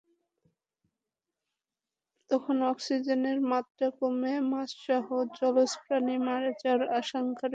তখন অক্সিজেনের মাত্রা কমে মাছসহ জলজ প্রাণীর মারা যাওয়ার আশঙ্কা রয়েছে।